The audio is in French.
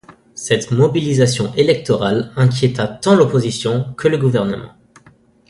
Cette mobilisation électorale inquiéta tant l'opposition que le gouvernement.